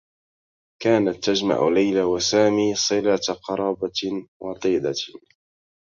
كانت تجمع ليلى و سامي صلة قرابة وطيدة.